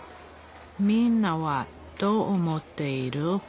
みんなはどう思っている？